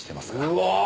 うわ！